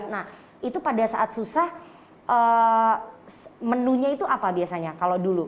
nah itu pada saat susah menunya itu apa biasanya kalau dulu